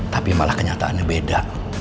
tapi malah kenyataannya beda